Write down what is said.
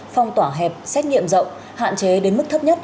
phong tỏa hẹp xét nghiệm rộng hạn chế đến mức thấp nhất